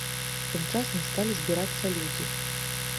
Тым часам сталі збірацца людзі.